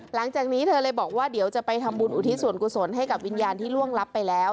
หลังจากนี้เธอเลยบอกว่าเดี๋ยวจะไปทำบุญอุทิศส่วนกุศลให้กับวิญญาณที่ล่วงลับไปแล้ว